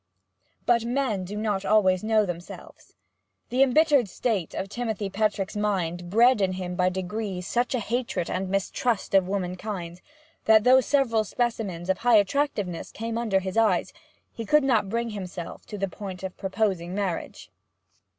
But men do not always know themselves. The embittered state of Timothy Petrick's mind bred in him by degrees such a hatred and mistrust of womankind that, though several specimens of high attractiveness came under his eyes, he could not bring himself to the point of proposing marriage.